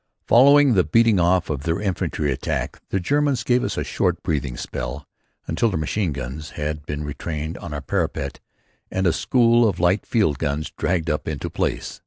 Following the beating off of their infantry attack the Germans gave us a short breathing spell until their machine guns had been trained on our parapet and a school of light field guns dragged up into place.